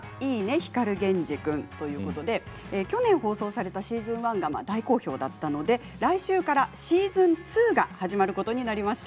光源氏くん」ということで去年放送された、しずん１が大好評だったので来週から、しずん２が始まることになりました。